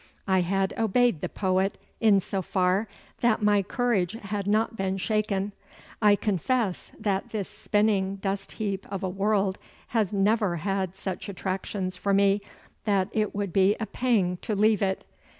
I had obeyed the poet in so far that my courage had not been shaken. I confess that this spinning dust heap of a world has never had such attractions for me that it would be a pang to leave it.